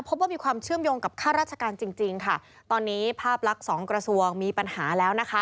พบว่ามีความเชื่อมโยงกับข้าราชการจริงจริงค่ะตอนนี้ภาพลักษณ์สองกระทรวงมีปัญหาแล้วนะคะ